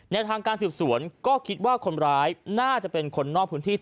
ทางการสืบสวนก็คิดว่าคนร้ายน่าจะเป็นคนนอกพื้นที่